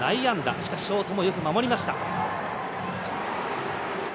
しかしショートもよく守りました。